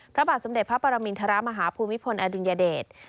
พระบาทสมเด็จพระปรมินทรมาฮภูมิพลอดุลยเดช